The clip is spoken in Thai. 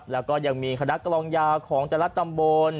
แล้วก็ยังมีคณะกลองยาของแต่ละตำบล